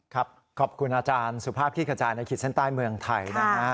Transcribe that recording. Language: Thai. ครับขอบคุณอาจารย์สุภาพขี้กระจายในขีดเส้นใต้เมืองไทยนะฮะ